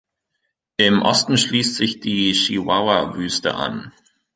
Im Osten schließt sich die Chihuahua-Wüste an.